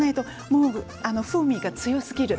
風味が強すぎる。